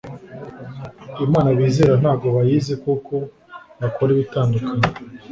imana bizera ntago bayizi kuko bakora ibitandukanye